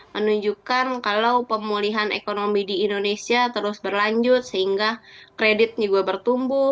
menunjukkan kalau pemulihan ekonomi di indonesia terus berlanjut sehingga kredit juga bertumbuh